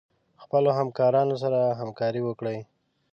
خپلو همکارانو سره همکاري وکړئ.